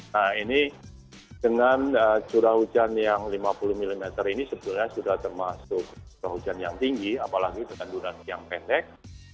nah ini dengan curah hujan yang lima puluh mm ini sebetulnya sudah termasuk curah hujan yang tinggi apalagi dengan durasi yang pendek